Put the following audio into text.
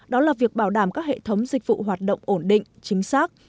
đó là việc bảo đảm các hệ thống dịch vụ hoạt động ổn định chính xác